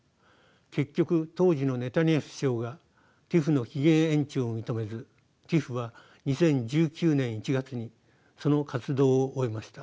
結局当時のネタニヤフ首相がＴＩＰＨの期限延長を認めずＴＩＰＨは２０１９年１月にその活動を終えました。